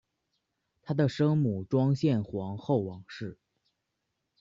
她的生母庄宪皇后王氏。